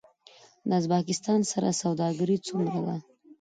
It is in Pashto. د ازبکستان سره سوداګري څومره ده؟